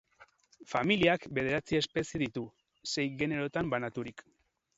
Familiak bederatzi espezie ditu, sei generotan banaturik.